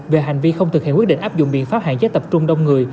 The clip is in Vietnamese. về hành vi không thực hiện quyết định áp dụng biện pháp hạn chế tập trung đông người